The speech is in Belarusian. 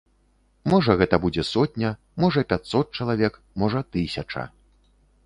Можа, гэта будзе сотня, можа, пяцьсот чалавек, можа, тысяча.